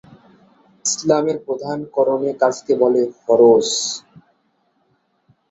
ইসলামের প্রধান করণীয় কাজকে বলে 'ফরজ'।